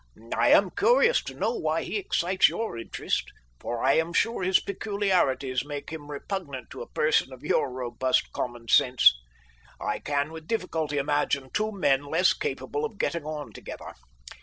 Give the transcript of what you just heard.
I am curious to know why he excites your interest, for I am sure his peculiarities make him repugnant to a person of your robust common sense. I can with difficulty imagine two men less capable of getting on together.